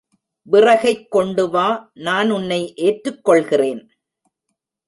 விறகைக் கொண்டு வா நான் உன்னை ஏற்றுக் கொள்கிறேன்.